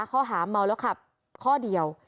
ข้อหาเมาแล้วขับข้อเดียว